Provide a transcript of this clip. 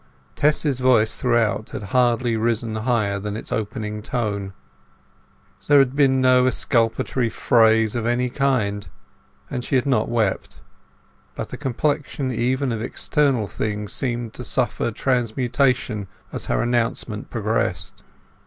Tess's voice throughout had hardly risen higher than its opening tone; there had been no exculpatory phrase of any kind, and she had not wept. But the complexion even of external things seemed to suffer transmutation as her announcement progressed.